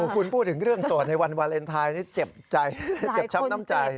คุณพูดถึงเรื่องโสดในวันวาเลนไทยนี่เจ็บใจเจ็บช้ำน้ำใจ